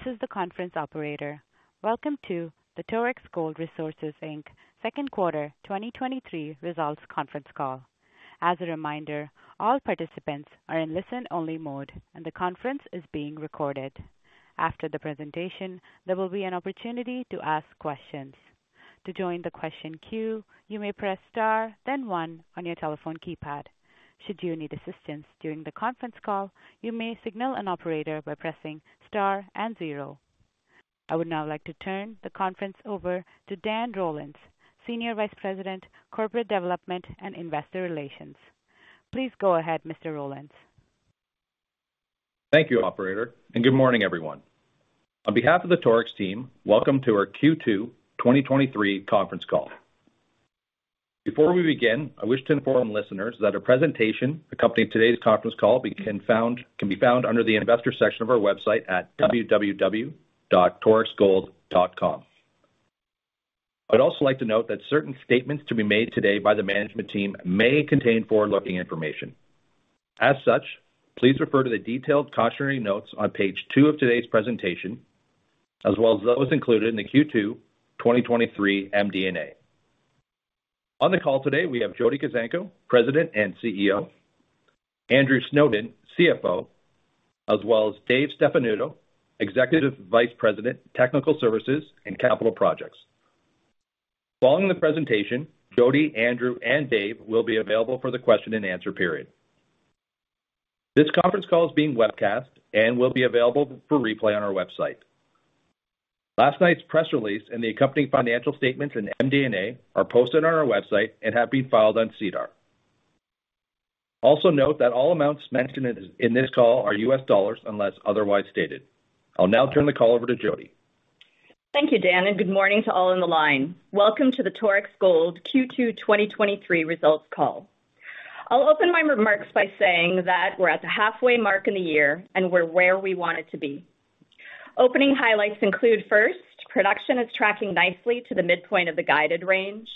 Hi, this is the conference operator. Welcome to the Torex Gold Resources Inc., second quarter 2023 results conference call. As a reminder, all participants are in listen-only mode, and the conference is being recorded. After the presentation, there will be an opportunity to ask questions. To join the question queue, you may press Star, then 1 on your telephone keypad. Should you need assistance during the conference call, you may signal an operator by pressing Star and 0. I would now like to turn the conference over to Dan Rollins, Senior Vice President, Corporate Development and Investor Relations. Please go ahead, Mr. Rollins. Thank you, operator. Good morning, everyone. On behalf of the Torex team, welcome to our Q2 2023 conference call. Before we begin, I wish to inform listeners that our presentation accompanying today's conference call can be found under the investor section of our website at www.torexgold.com. I'd also like to note that certain statements to be made today by the management team may contain forward-looking information. As such, please refer to the detailed cautionary notes on page 2 of today's presentation, as well as those included in the Q2 2023 MD&A. On the call today, we have Jody Kuzenko, President and CEO, Andrew Snowden, CFO, as well as Dave Stefanuto, Executive Vice President, Technical Services and Capital Projects. Following the presentation, Jody, Andrew, and Dave will be available for the question and answer period. This conference call is being webcast and will be available for replay on our website. Last night's press release and the accompanying financial statements in MD&A are posted on our website and have been filed on SEDAR. Also, note that all amounts mentioned in this call are US dollars, unless otherwise stated. I'll now turn the call over to Jody. Thank you, Dan, and good morning to all on the line. Welcome to the Torex Gold Q2 2023 results call. I'll open my remarks by saying that we're at the halfway mark in the year, and we're where we wanted to be. Opening highlights include, first, production is tracking nicely to the midpoint of the guided range.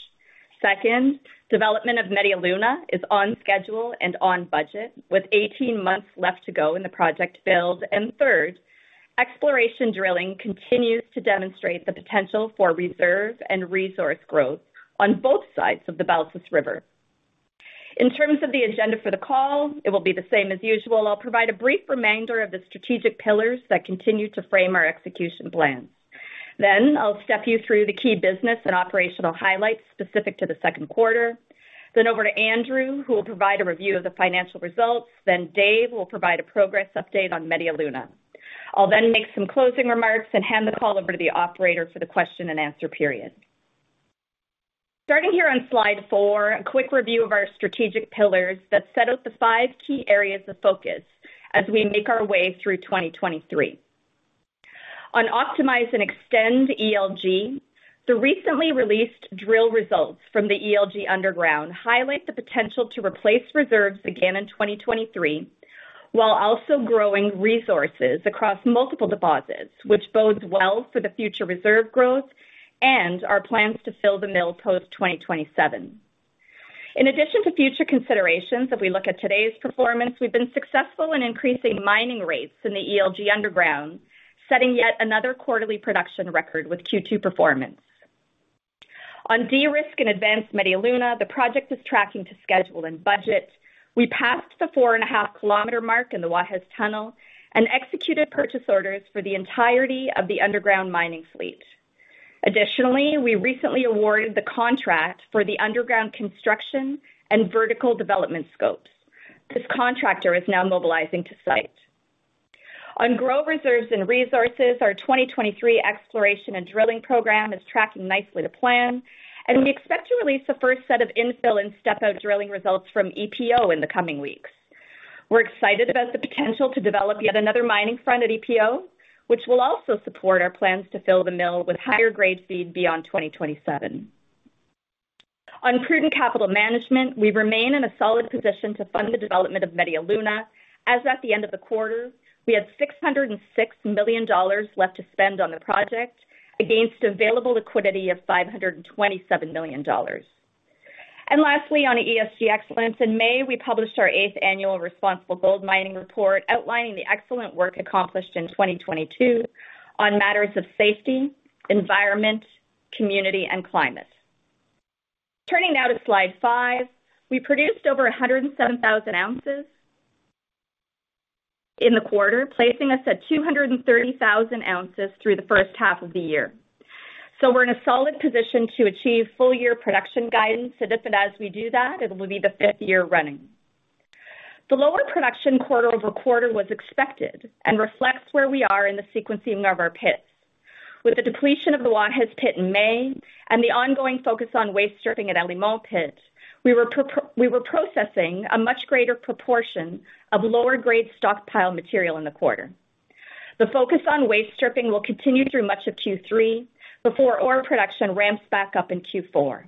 Second, development of Media Luna is on schedule and on budget, with 18 months left to go in the project build. Third, exploration drilling continues to demonstrate the potential for reserve and resource growth on both sides of the Balsas River. In terms of the agenda for the call, it will be the same as usual. I'll provide a brief reminder of the strategic pillars that continue to frame our execution plans. I'll step you through the key business and operational highlights specific to the second quarter. Over to Andrew, who will provide a review of the financial results. Dave will provide a progress update on Media Luna. I'll then make some closing remarks and hand the call over to the operator for the question and answer period. Starting here on slide four, a quick review of our strategic pillars that set out the five key areas of focus as we make our way through 2023. On optimize and extend ELG, the recently released drill results from the ELG underground highlight the potential to replace reserves again in 2023, while also growing resources across multiple deposits, which bodes well for the future reserve growth and our plans to fill the mill post 2027. In addition to future considerations, if we look at today's performance, we've been successful in increasing mining rates in the ELG Underground, setting yet another quarterly production record with Q2 performance. On de-risk and advance Media Luna, the project is tracking to schedule and budget. We passed the 4.5 kilometer mark in the Guajes Tunnel and executed purchase orders for the entirety of the underground mining fleet. Additionally, we recently awarded the contract for the underground construction and vertical development scopes. This contractor is now mobilizing to site. On grow reserves and resources, our 2023 exploration and drilling program is tracking nicely to plan, and we expect to release the first set of infill and step-out drilling results from EPO in the coming weeks. We're excited about the potential to develop yet another mining front at EPO, which will also support our plans to fill the mill with higher-grade feed beyond 2027. On prudent capital management, we remain in a solid position to fund the development of Media Luna, as at the end of the quarter, we had $606,000,000 left to spend on the project against available liquidity of $527,000,000. Lastly, on ESG excellence, in May, we published our eighth annual Responsible Gold Mining Report, outlining the excellent work accomplished in 2022 on matters of safety, environment, community, and climate. Turning now to slide five, we produced over 107,000 ounces in the quarter, placing us at 230,000 ounces through the first half of the year. We're in a solid position to achieve full-year production guidance, and if and as we do that, it will be the fifth year running. The lower production quarter-over-quarter was expected and reflects where we are in the sequencing of our pits. With the depletion of the Guajes pit in May and the ongoing focus on waste stripping at Alamo pit, we were processing a much greater proportion of lower-grade stockpile material in the quarter. The focus on waste stripping will continue through much of Q3 before ore production ramps back up in Q4.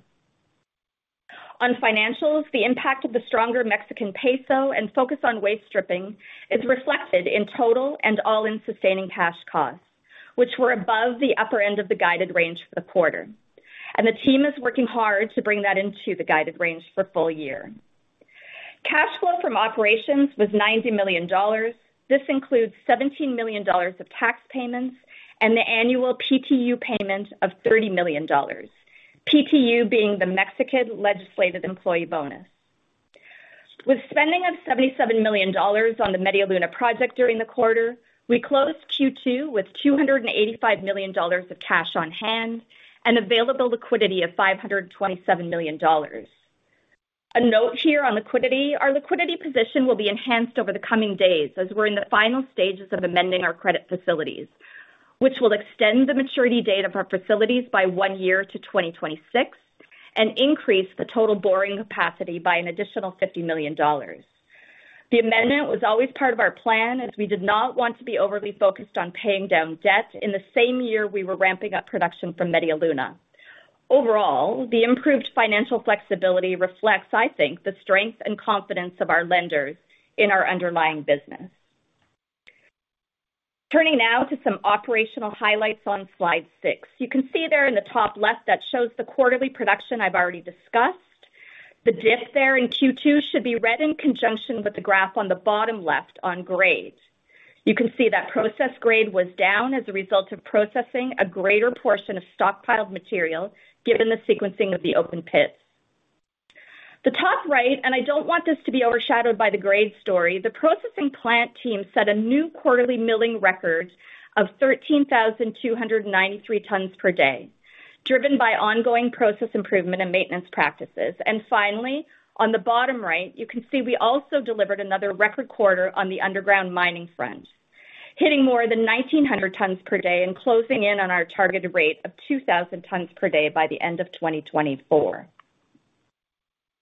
On financials, the impact of the stronger Mexican peso and focus on waste stripping is reflected in total and all-in sustaining cash costs, which were above the upper end of the guided range for the quarter. The team is working hard to bring that into the guided range for full year. Cash flow from operations was $90,000,000. This includes $17,000,000of tax payments and the annual PTU payment of $30,000,000, PTU being the Mexican legislative employee bonus. With spending of $77,000,000 on the Media Luna project during the quarter, we closed Q2 with $285,000,000 of cash on hand and available liquidity of $527,000,000. A note here on liquidity, our liquidity position will be enhanced over the coming days as we're in the final stages of amending our credit facilities, which will extend the maturity date of our facilities by one year to 2026 and increase the total borrowing capacity by an additional $50,000,000. The amendment was always part of our plan, as we did not want to be overly focused on paying down debt in the same year we were ramping up production from Media Luna. Overall, the improved financial flexibility reflects, I think, the strength and confidence of our lenders in our underlying business. Turning now to some operational highlights on slide 6. You can see there in the top left that shows the quarterly production I've already discussed. The dip there in Q2 should be read in conjunction with the graph on the bottom left on grade. You can see that process grade was down as a result of processing a greater portion of stockpiled material, given the sequencing of the open pits. The top right, and I don't want this to be overshadowed by the grade story, the processing plant team set a new quarterly milling record of 13,293 tons per day, driven by ongoing process improvement and maintenance practices. Finally, on the bottom right, you can see we also delivered another record quarter on the underground mining front, hitting more than 1,900 tons per day and closing in on our targeted rate of 2,000 tons per day by the end of 2024.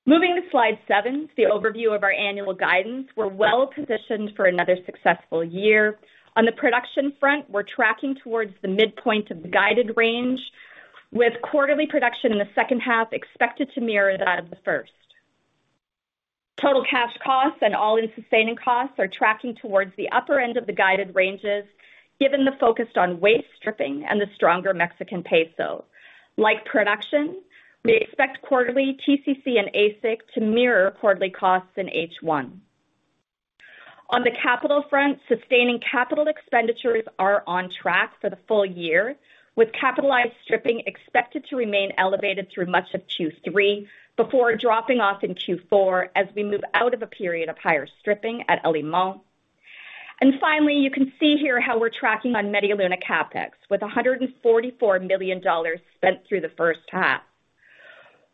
Moving to slide seven, the overview of our annual guidance, we're well-positioned for another successful year. On the production front, we're tracking towards the midpoint of the guided range, with quarterly production in the second half expected to mirror that of the first. Total cash costs and all-in sustaining costs are tracking towards the upper end of the guided ranges, given the focus on waste stripping and the stronger Mexican peso. Like production, we expect quarterly TCC and AISC to mirror quarterly costs in H1. On the capital front, sustaining capital expenditures are on track for the full year, with capitalized stripping expected to remain elevated through much of Q3 before dropping off in Q4 as we move out of a period of higher stripping at El Limón. Finally, you can see here how we're tracking on Media Luna CapEx, with $144,000,000 spent through the first half.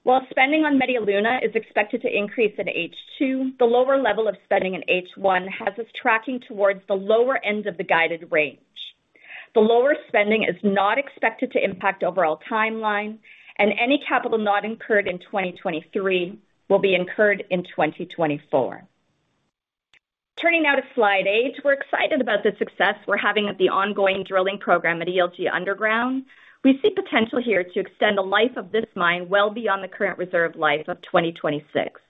While spending on Media Luna is expected to increase in H2, the lower level of spending in H1 has us tracking towards the lower end of the guided range. The lower spending is not expected to impact overall timeline, and any capital not incurred in 2023 will be incurred in 2024. Turning now to slide 8. We're excited about the success we're having at the ongoing drilling program at ELG Underground. We see potential here to extend the life of this mine well beyond the current reserve life of 2026.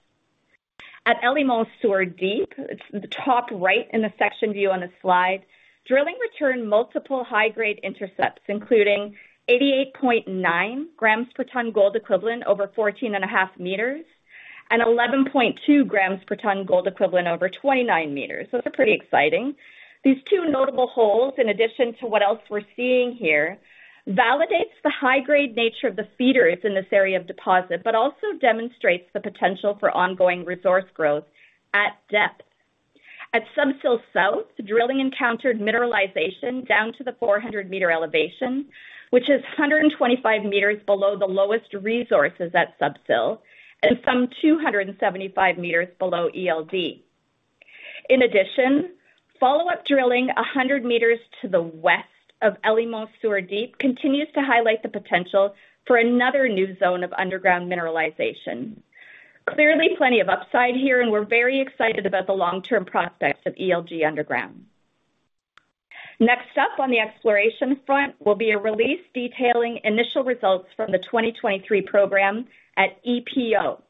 At El Limón Sur Deep, it's the top right in the section view on the slide, drilling returned multiple high-grade intercepts, including 88.9 grams per ton gold equivalent over 14.5 meters, and 11.2 grams per ton gold equivalent over 29 meters. It's pretty exciting. These two notable holes, in addition to what else we're seeing here, validates the high-grade nature of the feeders in this area of deposit, but also demonstrates the potential for ongoing resource growth at depth. At Sub-Sill South, drilling encountered mineralization down to the 400 meter elevation, which is 125 meters below the lowest resources at Sub-Sill and some 275 meters below ELD. In addition, follow-up drilling 100 meters to the west of El Limón Sur Deep continues to highlight the potential for another new zone of underground mineralization. Clearly, plenty of upside here, and we're very excited about the long-term prospects of ELG Underground. Next up on the exploration front will be a release detailing initial results from the 2023 program at EPO.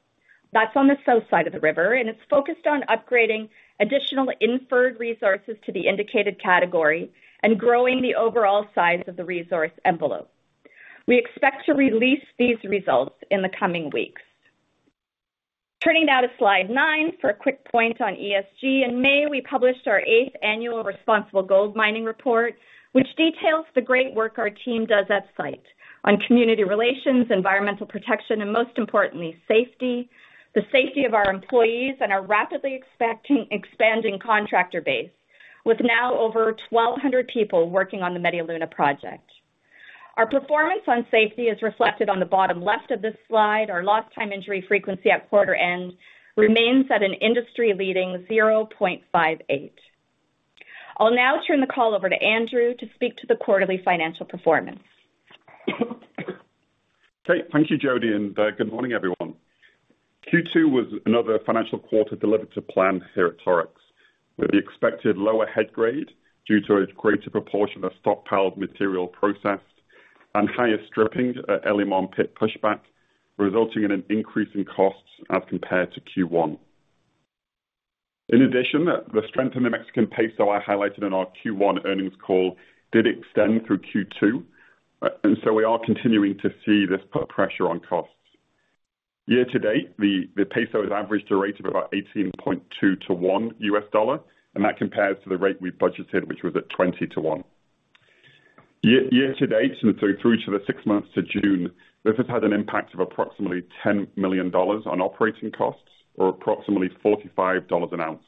That's on the south side of the river, it's focused on upgrading additional inferred resources to the indicated category and growing the overall size of the resource envelope. We expect to release these results in the coming weeks. Turning now to slide 9 for a quick point on ESG. In May, we published our 8th annual Responsible Gold Mining Report, which details the great work our team does at site on community relations, environmental protection, and most importantly, safety, the safety of our employees and our rapidly expanding contractor base, with now over 1,200 people working on the Media Luna project. Our performance on safety is reflected on the bottom left of this slide. Our lost time injury frequency at quarter end remains at an industry-leading 0.58. I'll now turn the call over to Andrew to speak to the quarterly financial performance. Great. Thank you, Jody, good morning, everyone. Q2 was another financial quarter delivered to plan here at Torex, with the expected lower head grade due to a greater proportion of stockpiled material processed and higher stripping at El Limón pit pushback, resulting in an increase in costs as compared to Q1. In addition, the strength in the Mexican peso I highlighted in our Q1 earnings call did extend through Q2, so we are continuing to see this put pressure on costs. Year-to-date, the peso has averaged a rate of about 18.2 to 1 US dollar, that compares to the rate we budgeted, which was at 20 to 1. Year-to-date, so through to the 6 months to June, this has had an impact of approximately $10,000,000 on operating costs, or approximately $45 an ounce.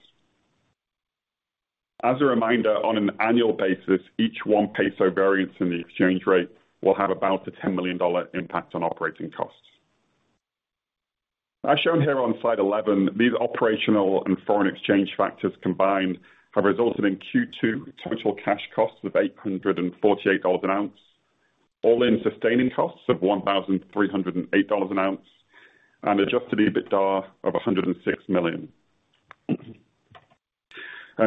As a reminder, on an annual basis, each 1 peso variance in the exchange rate will have about a $10,000,000 impact on operating costs. As shown here on slide 11, these operational and foreign exchange factors combined have resulted in Q2 total cash costs of $848 an ounce, all-in sustaining costs of $1,308 an ounce, and adjusted EBITDA of $106,000,000.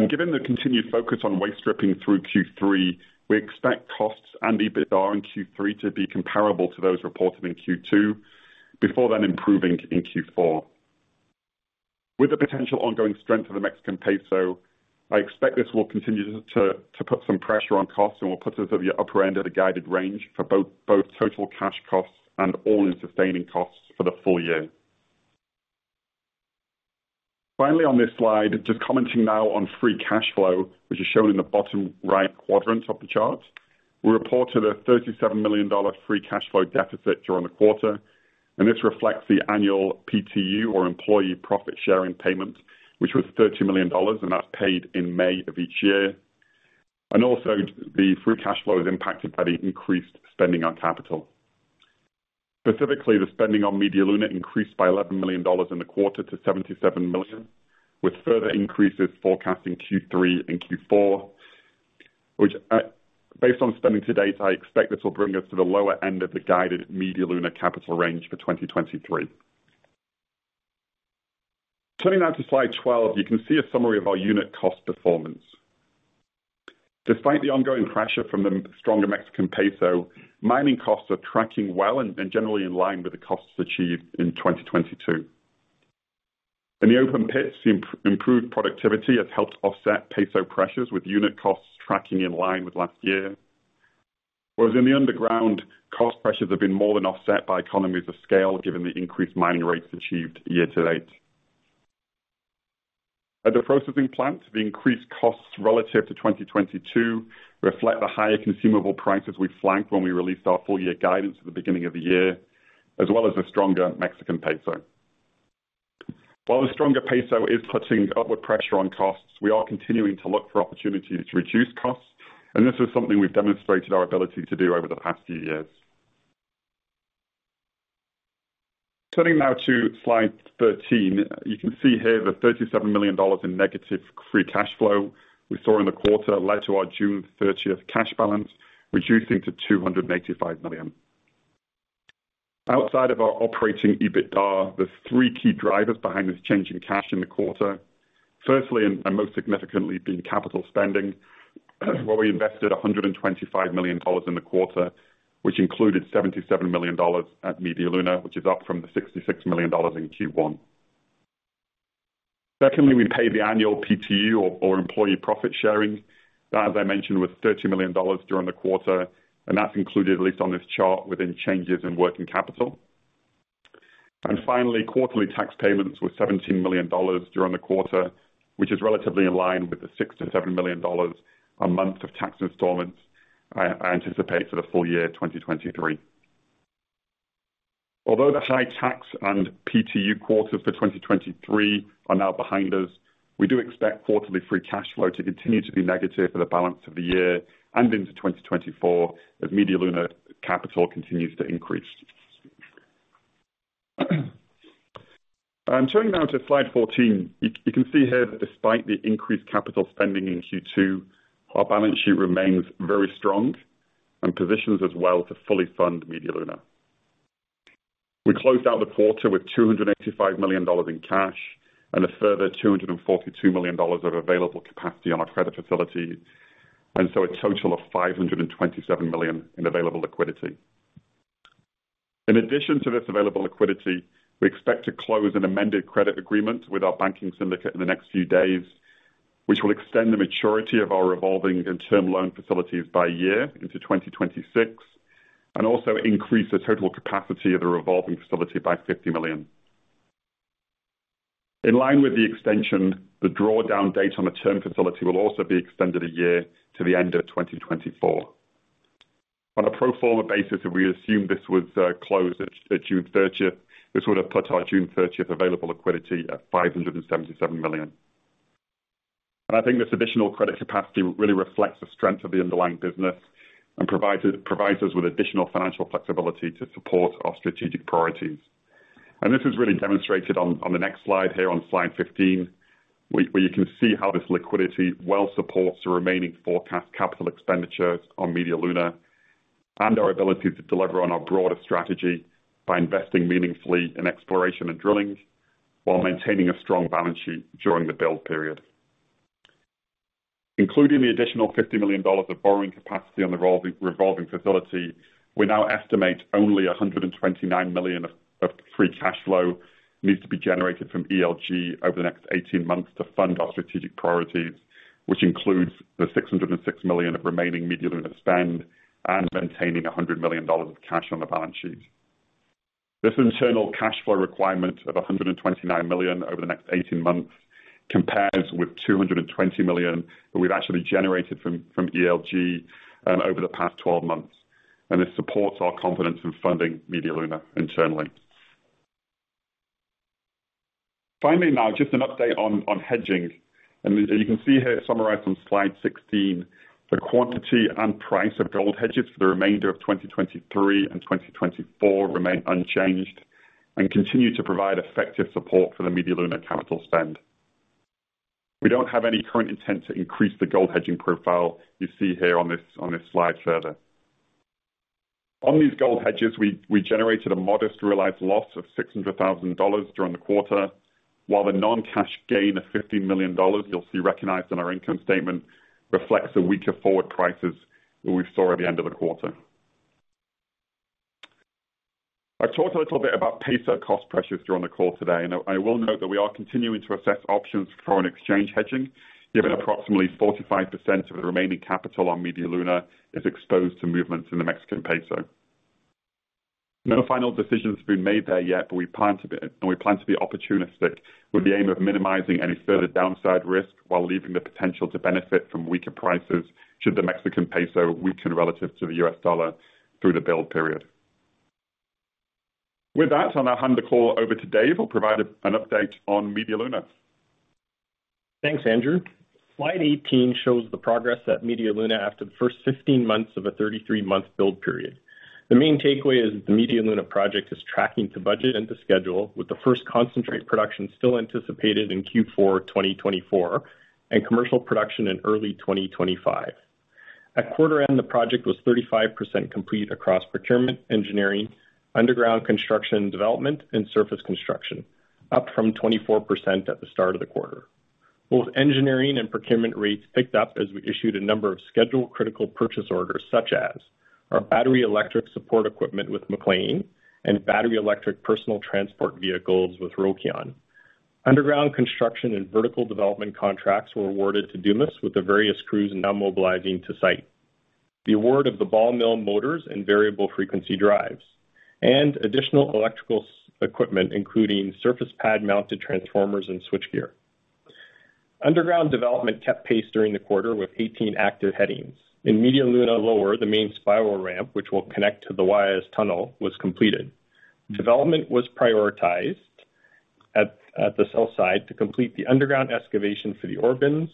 Given the continued focus on waste stripping through Q3, we expect costs and EBITDA in Q3 to be comparable to those reported in Q2, before then improving in Q4. With the potential ongoing strength of the Mexican peso, I expect this will continue to put some pressure on costs and will put us at the upper end of the guided range for both total cash costs and all-in sustaining costs for the full year. Finally, on this slide, just commenting now on free cash flow, which is shown in the bottom right quadrant of the chart. We reported a $37,000,000 free cash flow deficit during the quarter. This reflects the annual PTU, or employee profit sharing payment, which was $30,000,000. That's paid in May of each year. Also, the free cash flow is impacted by the increased spending on capital. Specifically, the spending on Media Luna increased by $11,000,000 in the quarter to $77,000,000, with further increases forecast in Q3 and Q4, which, based on spending to date, I expect this will bring us to the lower end of the guided Media Luna capital range for 2023. Turning now to slide 12, you can see a summary of our unit cost performance. Despite the ongoing pressure from the stronger Mexican peso, mining costs are tracking well and, and generally in line with the costs achieved in 2022. In the open pits, improved productivity has helped offset peso pressures, with unit costs tracking in line with last year. Whereas in the underground, cost pressures have been more than offset by economies of scale, given the increased mining rates achieved year-to-date. At the processing plant, the increased costs relative to 2022 reflect the higher consumable prices we flagged when we released our full year guidance at the beginning of the year, as well as the stronger Mexican peso. While the stronger peso is putting upward pressure on costs, we are continuing to look for opportunities to reduce costs, and this is something we've demonstrated our ability to do over the past few years. Turning now to slide 13, you can see here the $37,000,000in negative free cash flow we saw in the quarter led to our June 13th cash balance, reducing to $285,000,000. Outside of our operating EBITDA, there's three key drivers behind this change in cash in the quarter. Firstly, and, and most significantly, being capital spending, where we invested $125,000,000 in the quarter, which included $77,000,000 at Media Luna, which is up from the $66,000,000 in Q1. Secondly, we paid the annual PTU or, or employee profit sharing. That, as I mentioned, was $30,000,000 during the quarter, and that's included at least on this chart, within changes in working capital. Finally, quarterly tax payments were $17,000,000 during the quarter, which is relatively in line with the $6,000,000-$7,000,000 a month of tax installments I, I anticipate for the full year 2023. Although the high tax and PTU quarters for 2023 are now behind us, we do expect quarterly free cash flow to continue to be negative for the balance of the year and into 2024, as Media Luna capital continues to increase. I'm turning now to slide 14. You can see here that despite the increased capital spending in Q2, our balance sheet remains very strong and positions us well to fully fund Media Luna. We closed out the quarter with $285,000,000 in cash, and a further $242,000,000 of available capacity on our credit facility, so a total of $527,000,000 in available liquidity. In addition to this available liquidity, we expect to close an amended credit agreement with our banking syndicate in the next few days, which will extend the maturity of our revolving and term loan facilities by 1 year into 2026, and also increase the total capacity of the revolving facility by $50,000,000. In line with the extension, the drawdown date on the term facility will also be extended 1 year to the end of 2024. On a pro forma basis, if we assume this was closed at June 30, this would have put our June 30 available liquidity at $577,000,000. I think this additional credit capacity really reflects the strength of the underlying business and provides, provides us with additional financial flexibility to support our strategic priorities. This is really demonstrated on the next slide here on slide 15, where you can see how this liquidity well supports the remaining forecast capital expenditures on Media Luna, and our ability to deliver on our broader strategy by investing meaningfully in exploration and drilling, while maintaining a strong balance sheet during the build period. Including the additional $50,000,000 of borrowing capacity on the revolving facility, we now estimate only $129,000,000 of free cash flow needs to be generated from ELG over the next 18 months to fund our strategic priorities, which includes the $606,000,000 of remaining Media Luna spend and maintaining $100,000,000 of cash on the balance sheet. This internal cash flow requirement of $129,000,000 over the next 18 months compares with $220,000,000 that we've actually generated from, from ELG, over the past 12 months, and this supports our confidence in funding Media Luna internally. Finally, now just an update on, on hedging. You can see here, summarized on slide 16, the quantity and price of gold hedges for the remainder of 2023 and 2024 remain unchanged and continue to provide effective support for the Media Luna capital spend. We don't have any current intent to increase the gold hedging profile you see here on this, on this slide further. On these gold hedges, we, we generated a modest realized loss of $600,000 during the quarter, while the non-cash gain of $50,000,000 you'll see recognized in our income statement reflects the weaker forward prices that we saw at the end of the quarter. I talked a little bit about peso cost pressures during the call today. I will note that we are continuing to assess options for foreign exchange hedging, given approximately 45% of the remaining capital on Media Luna is exposed to movements in the Mexican peso. No final decision has been made there yet, but we plan to be, and we plan to be opportunistic with the aim of minimizing any further downside risk while leaving the potential to benefit from weaker prices, should the Mexican peso weaken relative to the US dollar through the build period. With that, I'll now hand the call over to Dave, who'll provide an update on Media Luna. Thanks, Andrew. Slide 18 shows the progress at Media Luna after the first 15 months of a 33-month build period. The main takeaway is that the Media Luna project is tracking to budget and to schedule, with the first concentrate production still anticipated in Q4, 2024, and commercial production in early 2025. At quarter end, the project was 35% complete across procurement, engineering, underground construction development, and surface construction, up from 24% at the start of the quarter. Both engineering and procurement rates picked up as we issued a number of schedule critical purchase orders, such as our battery electric support equipment with MacLean and battery electric personal transport vehicles with Rokion. Underground construction and vertical development contracts were awarded to Dumas, with the various crews now mobilizing to site. The award of the ball mill motors and variable frequency drives and additional electrical equipment, including surface pad-mounted transformers and switchgear. Underground development kept pace during the quarter, with 18 active headings. In Media Luna lower, the main spiral ramp, which will connect to the Guajes Tunnel, was completed. Development was prioritized at the south side to complete the underground excavation for the ore bins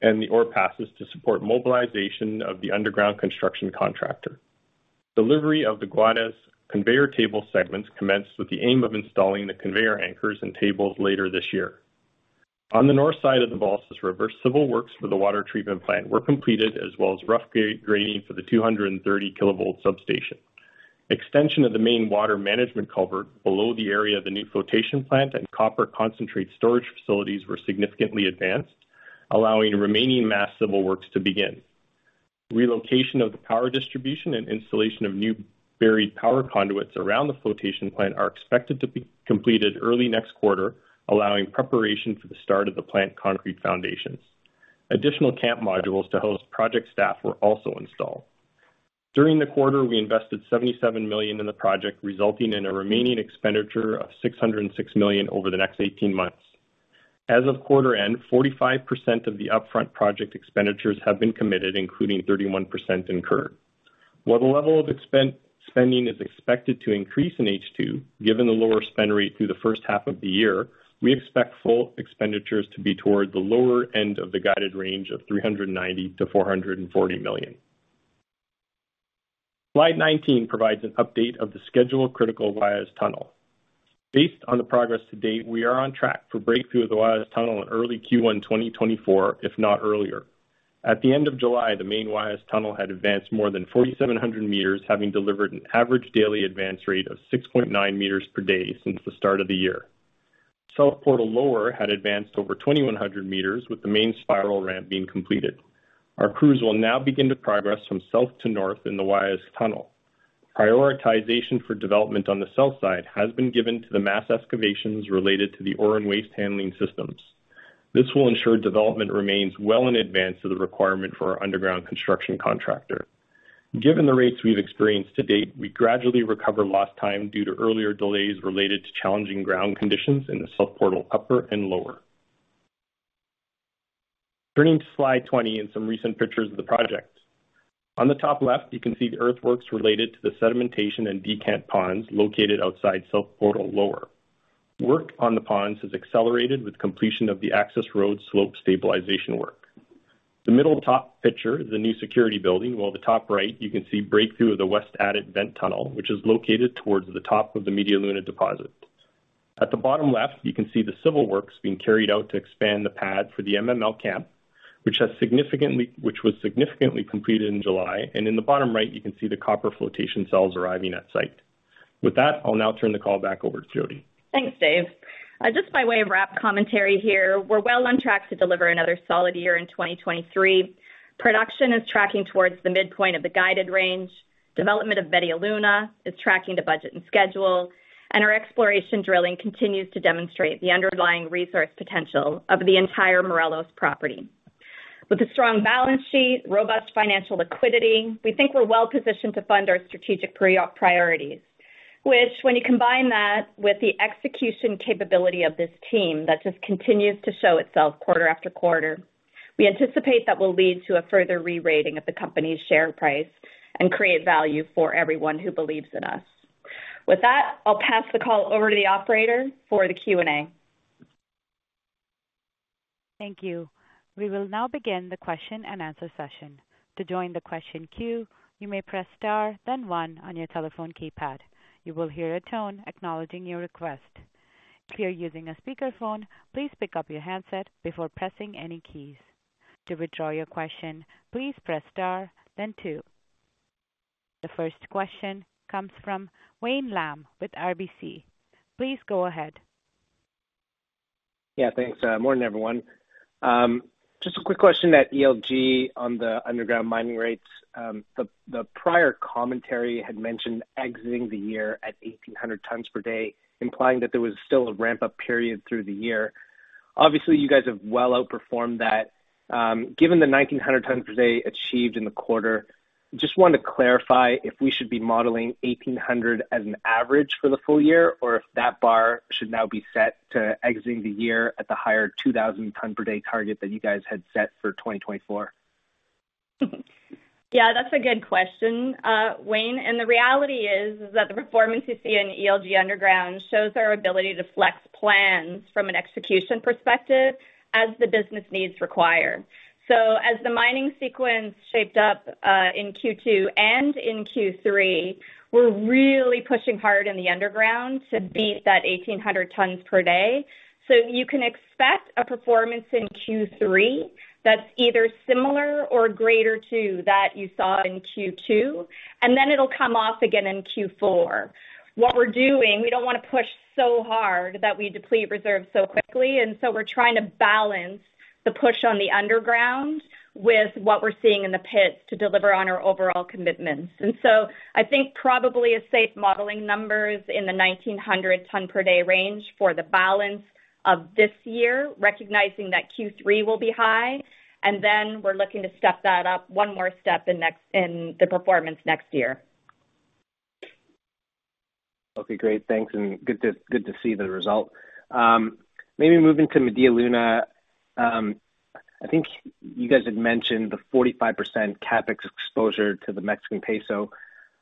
and the ore passes to support mobilization of the underground construction contractor. Delivery of the Guajes conveyor table segments commenced with the aim of installing the conveyor anchors and tables later this year. On the north side of the Balsas River, civil works for the water treatment plant were completed, as well as rough grading for the 230 kilovolt substation. Extension of the main water management culvert below the area of the new flotation plant and copper concentrate storage facilities were significantly advanced, allowing remaining mass civil works to begin. Relocation of the power distribution and installation of new buried power conduits around the flotation plant are expected to be completed early next quarter, allowing preparation for the start of the plant concrete foundations. Additional camp modules to host project staff were also installed. During the quarter, we invested $77,000,000 in the project, resulting in a remaining expenditure of $606,000,000 over the next 18 months. As of quarter end, 45% of the upfront project expenditures have been committed, including 31% incurred. While the level of spending is expected to increase in H2, given the lower spend rate through the first half of the year, we expect full expenditures to be toward the lower end of the guided range of $390,000,000-$440,000,000. Slide 19 provides an update of the schedule critical Guajes Tunnel. Based on the progress to date, we are on track for breakthrough of the Guajes Tunnel in early Q1 2024, if not earlier. At the end of July, the main Guajes Tunnel had advanced more than 4,700 meters, having delivered an average daily advance rate of 6.9 meters per day since the start of the year. South portal lower had advanced over 2,100 meters, with the main spiral ramp being completed. Our crews will now begin to progress from south to north in the Guajes Tunnel. Prioritization for development on the south side has been given to the mass excavations related to the ore and waste handling systems. This will ensure development remains well in advance of the requirement for our underground construction contractor. Given the rates we've experienced to date, we gradually recovered lost time due to earlier delays related to challenging ground conditions in the south portal upper and lower. Turning to slide 20 and some recent pictures of the project. On the top left, you can see the earthworks related to the sedimentation and decant ponds located outside South portal lower. Work on the ponds has accelerated with completion of the access road slope stabilization work. The middle top picture is a new security building, while the top right, you can see breakthrough of the west adit vent tunnel, which is located towards the top of the Media Luna deposit. At the bottom left, you can see the civil works being carried out to expand the pad for the MML camp, which was significantly completed in July, and in the bottom right, you can see the copper flotation cells arriving at site. With that, I'll now turn the call back over to Jody. Thanks, Dave. Just by way of wrap commentary here, we're well on track to deliver another solid year in 2023. Production is tracking towards the midpoint of the guided range, development of Media Luna is tracking to budget and schedule, and our exploration drilling continues to demonstrate the underlying resource potential of the entire Morelos property. With a strong balance sheet, robust financial liquidity, we think we're well positioned to fund our strategic preop priorities, which, when you combine that with the execution capability of this team, that just continues to show itself quarter after quarter, we anticipate that will lead to a further re-rating of the company's share price and create value for everyone who believes in us. With that, I'll pass the call over to the operator for the Q&A. Thank you. We will now begin the question-and-answer session. To join the question queue, you may press star, then 1 on your telephone keypad. You will hear a tone acknowledging your request. If you're using a speakerphone, please pick up your handset before pressing any keys. To withdraw your question, please press star then 2. The first question comes from Wayne Lam with RBC. Please go ahead. Yeah, thanks. Morning, everyone. Just a quick question at ELG on the underground mining rates. The, the prior commentary had mentioned exiting the year at 1,800 tons per day, implying that there was still a ramp-up period through the year. Obviously, you guys have well outperformed that. Given the 1,900 tons per day achieved in the quarter, just wanted to clarify if we should be modeling 1,800 as an average for the full year, or if that bar should now be set to exiting the year at the higher 2,000 ton per day target that you guys had set for 2024. Yeah, that's a good question, Wayne. The reality is, is that the performance you see in ELG Underground shows our ability to flex plans from an execution perspective as the business needs require. As the mining sequence shaped up, in Q2 and in Q3, we're really pushing hard in the underground to beat that 1,800 tons per day. You can expect a performance in Q3 that's either similar or greater to that you saw in Q2, and then it'll come off again in Q4. What we're doing, we don't wanna push so hard that we deplete reserves so quickly, and so we're trying to balance the push on the underground with what we're seeing in the pits to deliver on our overall commitments. I think probably a safe modeling number is in the 1,900 tons per day range for the balance of this year, recognizing that Q3 will be high, and then we're looking to step that up one more step in the performance next year. Okay, great. Thanks, and good to, good to see the result. Maybe moving to Media Luna. I think you guys had mentioned the 45% CapEx exposure to the Mexican peso.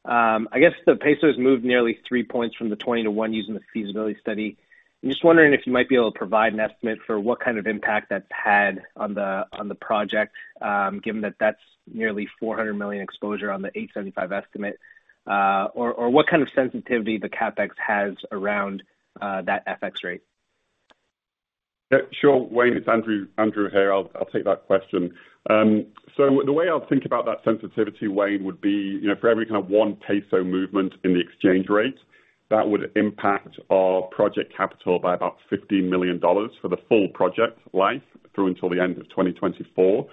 I guess the peso has moved nearly 3 points from the 20 to 1 using the feasibility study. I'm just wondering if you might be able to provide an estimate for what kind of impact that's had on the, on the project, given that that's nearly $400,000,000 exposure on the $875 estimate, or what kind of sensitivity the CapEx has around that FX rate? Yeah, sure, Wayne, it's Andrew, Andrew here. I'll, I'll take that question. The way I'll think about that sensitivity, Wayne, would be, you know, for every kind of 1 peso movement in the exchange rate, that would impact our project capital by about $50,000,000 for the full project life through until the end of 2024.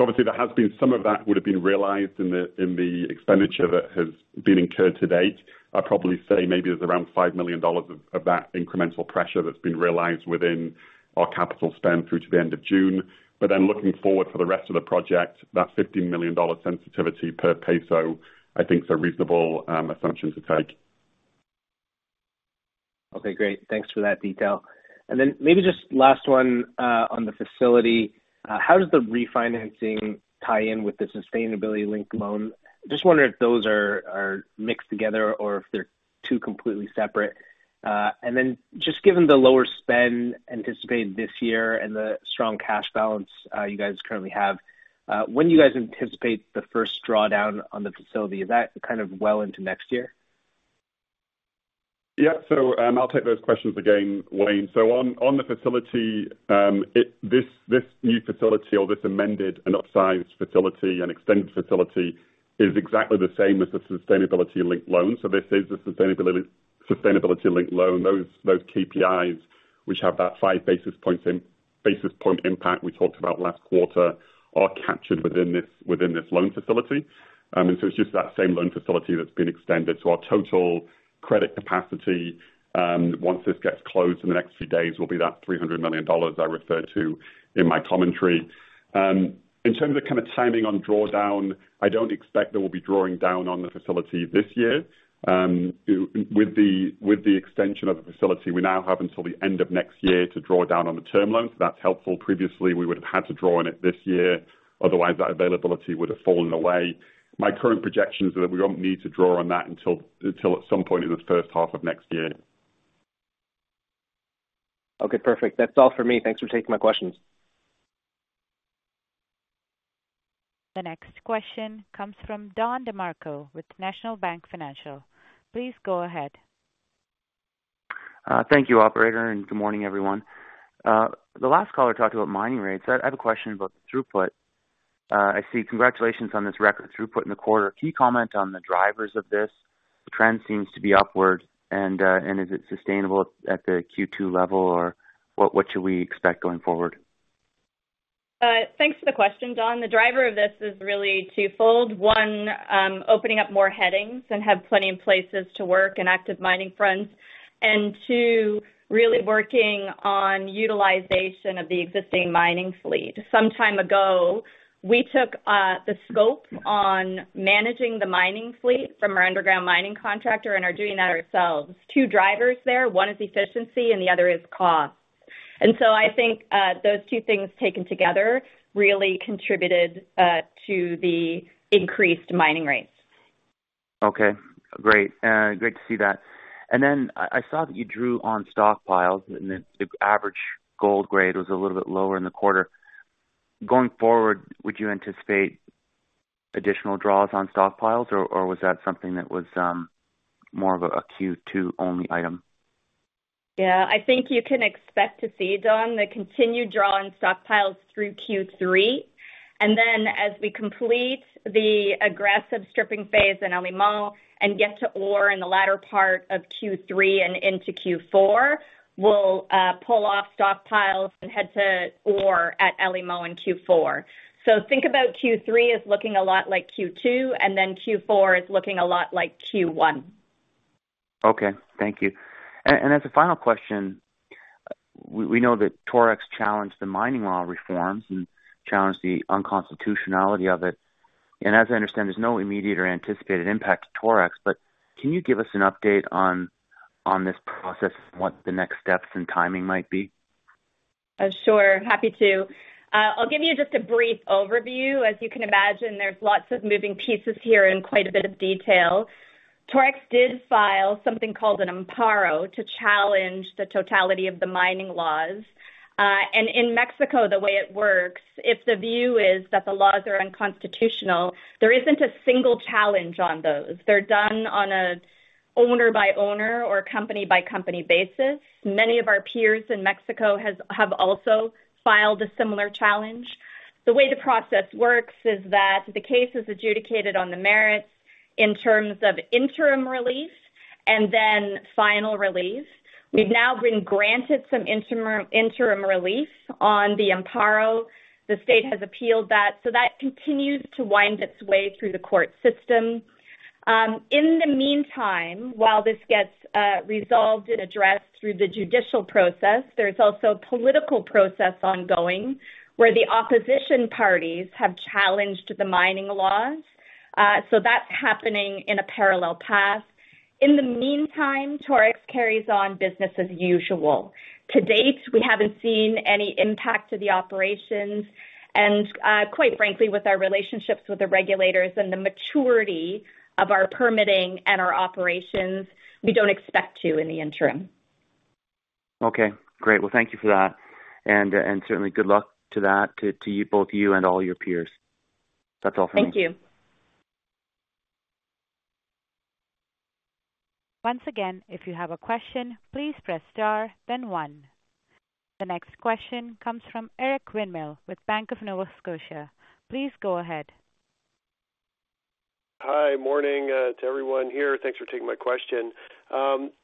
Obviously, there has been some of that would have been realized in the, in the expenditure that has been incurred to date. I'd probably say maybe there's around $5,000,000 of, of that incremental pressure that's been realized within our capital spend through to the end of June. Looking forward to the rest of the project, that $50,000,000 sensitivity per peso, I think is a reasonable assumption to take. Okay, great. Thanks for that detail. Maybe just last one, on the facility. How does the refinancing tie in with the Sustainability-Linked Loan? Just wondering if those are, are mixed together or if they're two completely separate. Just given the lower spend anticipated this year and the strong cash balance, you guys currently have, when do you guys anticipate the first drawdown on the facility? Is that kind of well into next year? Yeah. So, I'll take those questions again, Wayne. So on the facility, this new facility or this amended and upsized facility and extended facility is exactly the same as the Sustainability-Linked Loan. So this is a Sustainability-Linked Loan. Those KPIs, which have that 5 basis points basis point impact we talked about last quarter, are captured within this, within this loan facility. It's just that same loan facility that's been extended. Our total credit capacity, once this gets closed in the next few days, will be that $300,000,000 I referred to in my commentary. In terms of kind of timing on drawdown, I don't expect that we'll be drawing down on the facility this year. With the extension of the facility, we now have until the end of next year to draw down on the term loan. That's helpful. Previously, we would've had to draw on it this year, otherwise that availability would have fallen away. My current projections are that we won't need to draw on that until, until at some point in the first half of next year. Okay, perfect. That's all for me. Thanks for taking my questions. The next question comes from Don DeMarco with National Bank Financial. Please go ahead. Thank you, operator, and good morning, everyone. The last caller talked about mining rates. I, I have a question about the throughput. I see congratulations on this record throughput in the quarter. Can you comment on the drivers of this? The trend seems to be upward, and is it sustainable at the Q2 level, or what, what should we expect going forward? Thanks for the question, Don. The driver of this is really 2-fold. 1, opening up more headings and have plenty of places to work and active mining fronts. 2, really working on utilization of the existing mining fleet. Sometime ago, we took the scope on managing the mining fleet from our underground mining contractor and are doing that ourselves. 2 drivers there, 1 is efficiency and the other is cost. I think those 2 things taken together really contributed to the increased mining rates. Okay, great. Great to see that. I, I saw that you drew on stockpiles, and the, the average gold grade was a little bit lower in the quarter. Going forward, would you anticipate additional draws on stockpiles, or, or was that something that was more of a Q2-only item? Yeah, I think you can expect to see, Don, the continued draw in stockpiles through Q3. As we complete the aggressive stripping phase in El Limón and get to ore in the latter part of Q3 and into Q4, we'll pull off stockpiles and head to ore at El Limón in Q4. Think about Q3 as looking a lot like Q2. Q4 is looking a lot like Q1. Okay, thank you. As a final question, we, we know that Torex challenged the mining law reforms and challenged the unconstitutionality of it. As I understand, there's no immediate or anticipated impact to Torex, but can you give us an update on, on this process and what the next steps and timing might be? Sure. Happy to. I'll give you just a brief overview. As you can imagine, there's lots of moving pieces here and quite a bit of detail. Torex did file something called an amparo to challenge the totality of the mining laws. In Mexico, the way it works, if the view is that the laws are unconstitutional, there isn't a single challenge on those. They're done on a owner-by-owner or company-by-company basis. Many of our peers in Mexico have also filed a similar challenge. The way the process works is that the case is adjudicated on the merits in terms of interim relief and then final relief. We've now been granted some interim relief on the amparo. The state has appealed that, so that continues to wind its way through the court system. In the meantime, while this gets resolved and addressed through the judicial process, there's also a political process ongoing, where the opposition parties have challenged the mining laws. That's happening in a parallel path. In the meantime, Torex carries on business as usual. To date, we haven't seen any impact to the operations, and, quite frankly, with our relationships with the regulators and the maturity of our permitting and our operations, we don't expect to in the interim. Okay, great. Well, thank you for that, and certainly, good luck to that, to you, both you and all your peers. That's all for me. Thank you. Once again, if you have a question, please press star then one. The next question comes from Eric Winmill with Bank of Nova Scotia. Please go ahead. Hi, morning, to everyone here. Thanks for taking my question.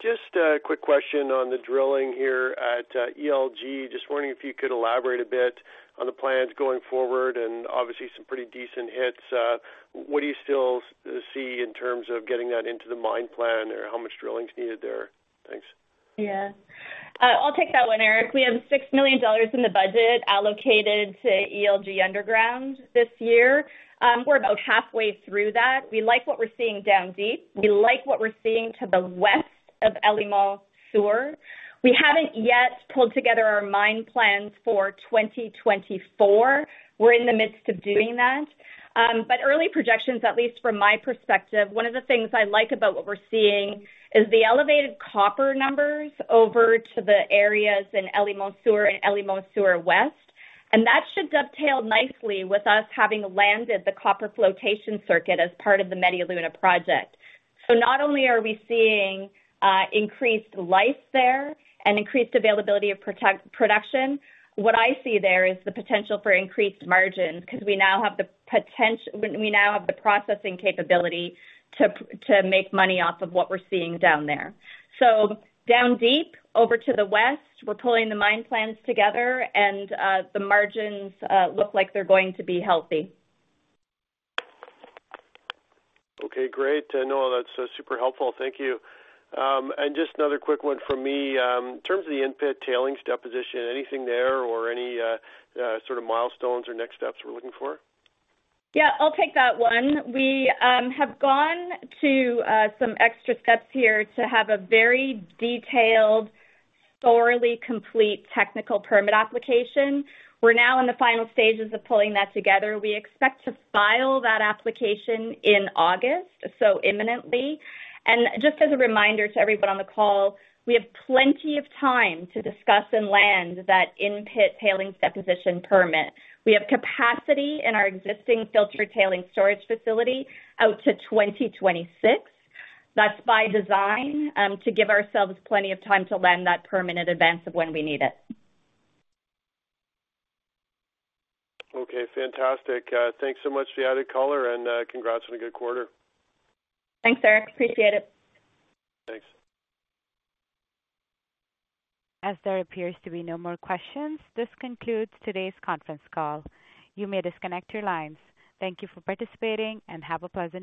Just a quick question on the drilling here at ELG. Just wondering if you could elaborate a bit on the plans going forward and obviously some pretty decent hits. What do you still see in terms of getting that into the mine plan, or how much drilling is needed there? Thanks. Yeah. I'll take that one, Eric. We have $6,000,000 in the budget allocated to ELG underground this year. We're about halfway through that. We like what we're seeing down deep. We like what we're seeing to the west of El Limón Sur. We haven't yet pulled together our mine plans for 2024. We're in the midst of doing that. Early projections, at least from my perspective, one of the things I like about what we're seeing is the elevated copper numbers over to the areas in El Limón Sur and El Limón Sur West, and that should dovetail nicely with us having landed the copper flotation circuit as part of the Media Luna project. Not only are we seeing increased life there and increased availability of production, what I see there is the potential for increased margins because we now have the processing capability to, to make money off of what we're seeing down there. Down deep, over to the west, we're pulling the mine plans together, and the margins look like they're going to be healthy. Okay, great. No, that's super helpful. Thank you. Just another quick one from me. In terms of the In-pit tailings deposition, anything there or any sort of milestones or next steps we're looking for? Yeah, I'll take that one. We have gone to some extra steps here to have a very detailed, thoroughly complete technical permit application. We're now in the final stages of pulling that together. We expect to file that application in August, so imminently. Just as a reminder to everyone on the call, we have plenty of time to discuss and land that in-pit tailings deposition permit. We have capacity in our existing filtered tailings storage facility out to 2026. That's by design, to give ourselves plenty of time to land that permit in advance of when we need it. Okay, fantastic. Thanks so much for the added color, and congrats on a good quarter. Thanks, Eric. Appreciate it. Thanks. As there appears to be no more questions, this concludes today's conference call. You may disconnect your lines. Thank you for participating, and have a pleasant day.